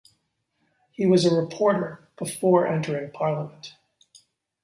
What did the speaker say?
He was a reporter before entering Parliament.